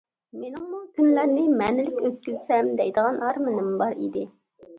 مېنىڭمۇ كۈنلەرنى مەنىلىك ئۆتكۈزسەم دەيدىغان ئارمىنىم بار ئىدى.